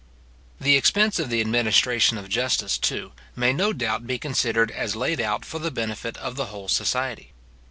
The expense of the administration of justice, too, may no doubt be considered as laid out for the benefit of the whole society.